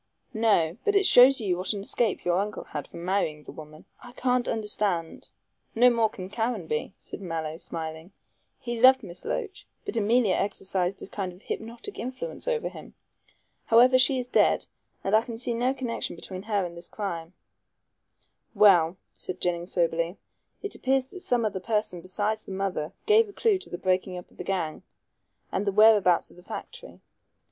"No. But it shows you what an escape your uncle had from marrying the woman. I can't understand " "No more can Caranby," said Mallow, smiling; "he loved Miss Loach, but Emilia exercised a kind of hypnotic influence over him. However, she is dead, and I can see no connection between her and this crime." "Well," said Jennings soberly, "it appears that some other person besides the mother gave a clue to the breaking up of the gang and the whereabouts of the factory.